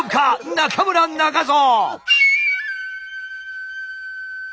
中村中蔵！